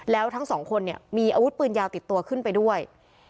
แล้วทั้งสองคนเนี่ยมีอาวุธปืนยาวติดตัวขึ้นไปด้วย